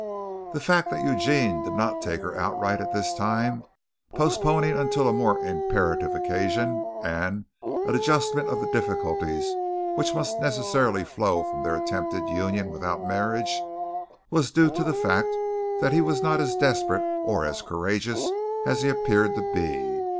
The fact that Eugene did not take her outright at this time, postponing until a more imperative occasion an adjustment of the difficulties which must necessarily flow from their attempted union without marriage was due to the fact that he was not as desperate or as courageous as he appeared to be.